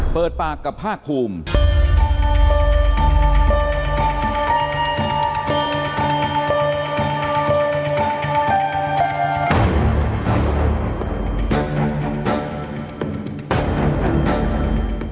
เปิดปากกับภาคภูมิ